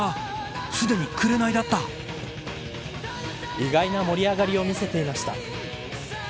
意外な盛り上がりを見せていました。